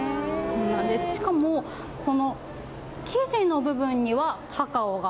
しかも、生地の部分にはカカオが。